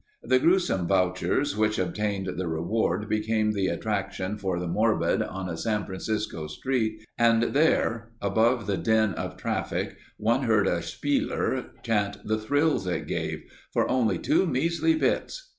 The grewsome vouchers which obtained the reward became the attraction for the morbid on a San Francisco street and there above the din of traffic one heard a spieler chant the thrills it gave "for only two measly bits...."